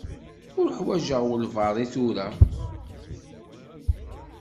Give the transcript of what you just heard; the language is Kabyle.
Uḥwaǧeɣ walebɛaḍ i tura.